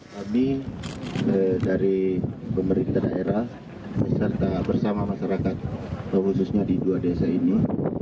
kami dari pemerintah daerah beserta bersama masyarakat khususnya di dua desa ini